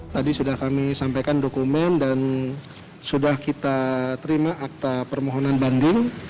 tadi sudah kami sampaikan dokumen dan sudah kita terima akta permohonan banding